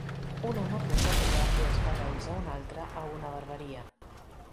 Un home a punt de tallar-li els cabells a un altre a una barberia.